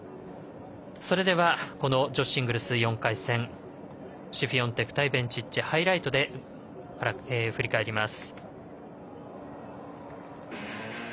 それでは女子シングルス４回戦シフィオンテク対ベンチッチをハイライトで振り返ります。